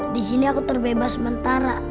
disini aku terbebas sementara